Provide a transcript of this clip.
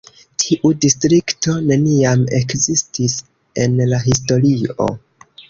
Tiu distrikto neniam ekzistis en la historio.